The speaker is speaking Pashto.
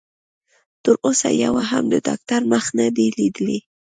تر اوسه يوه هم د ډاکټر مخ نه دی ليدلی.